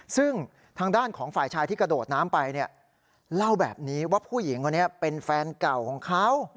ซึ่งทางด้านของฝ่ายชายที่กระโดดน้ำไปเนี่ยเล่าแบบนี้ว่าผู้หญิงคนนี้เป็นแฟนเก่าของเขา